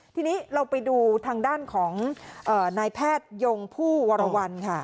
ทีนี้เราไปดูทางด้านของนายแพทยงผู้วรวรรณค่ะ